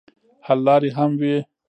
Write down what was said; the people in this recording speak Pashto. حل لارې هم وي.